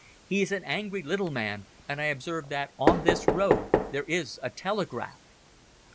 He is an angry little man, and I observe that on this road there is a telegraph."